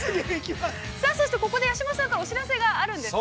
◆ここで八嶋さんからお知らせがあるんですね。